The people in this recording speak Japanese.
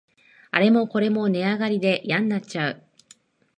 あれもこれも値上がりでやんなっちゃう